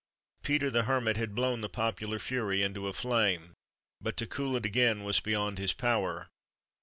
Peter the Hermit had blown the popular fury into a flame, but to cool it again was beyond his power.